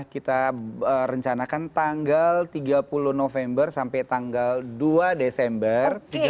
kita rencanakan tanggal tiga puluh november sampai tanggal dua desember